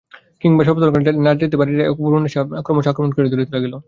কিন্তু সপ্তাহখানেক না যাইতেই বাড়িটার এক অপূর্ব নেশা আমাকে ক্রমশ আক্রমণ করিয়া ধরিতে লাগিল।